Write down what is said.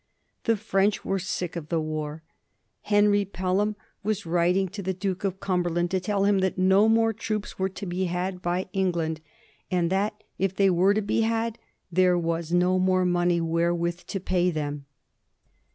The French were sick of the war. Henry Pelham was writing to the Duke of Cumberland to tell him that no more troops were to be had by England, and that, if they were to be had, there was no more money wherewith to pay them.